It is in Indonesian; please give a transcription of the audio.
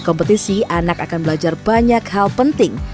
kompetisi anak akan belajar banyak hal penting